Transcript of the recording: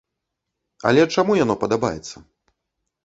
Але чаму яно падабаецца?